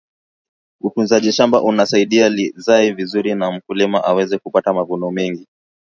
utunzaji shamba unasaidia lizae vizuri na mkulima aweze kupata mavuno mengi